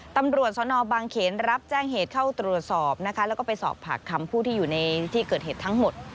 ตำรวจสนบางเขนรับแจ้งเหตุเข้าตรวจสอบนะคะแล้วก็ไปสอบปากคำผู้ที่อยู่ในที่เกิดเหตุทั้งหมด